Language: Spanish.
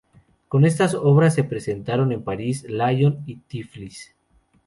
Con estas obras se presentaron en París, Lyon y Tiflis.